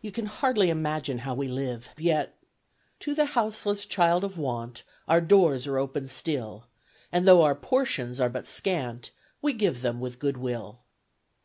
You can hardly imagine how we live; yet, To the houseless child of want, Our doors are open still; And though our portions are but scant, We give them with good will.